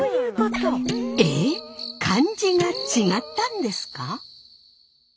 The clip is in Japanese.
えっ漢字が違ったんですか？